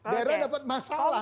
daerah dapat masalah